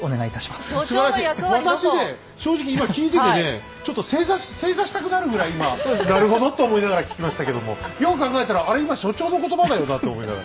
私ね正直今聞いててねちょっと正座したくなるぐらい今なるほどと思いながら聞きましたけどもよく考えたらあれ今所長の言葉だよなと思いながら。